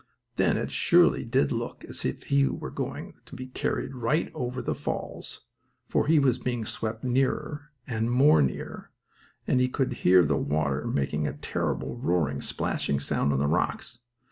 Then it surely did look as if he were going to be carried right over the falls, for he was being swept nearer and more near, and he could hear the water making a terrible roaring, splashing sound on the rocks.